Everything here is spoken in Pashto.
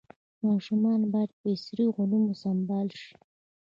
ماشومان باید په عصري علومو سمبال شي.